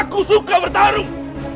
aku suka bertarung